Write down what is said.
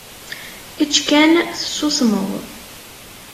Ečč kan, tessusmeḍ!